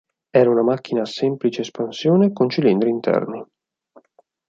Era una macchina a semplice espansione con cilindri interni.